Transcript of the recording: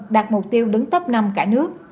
đạt mục tiêu đứng top năm cả nước